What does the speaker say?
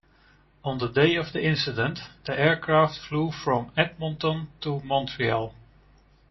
On the day of the incident, the aircraft flew from Edmonton to Montreal.